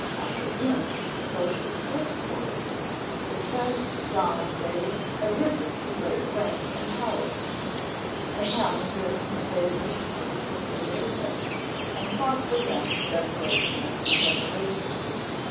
After him, so she still swore, the said Denes de Dene had risen to great rank and power, having been the favourites of the kings of England, and fought for them generation after generation.